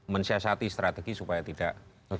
mensiasati strategi supaya tidak